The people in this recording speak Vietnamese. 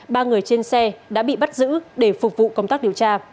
ba người trên xe đã bị bắt giữ để phục vụ công tác điều tra